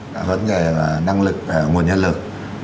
cả vấn đề năng lực nguồn nhân lực